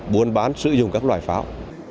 buôn bán sử dụng các hành vi